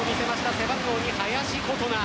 背番号２・林琴奈。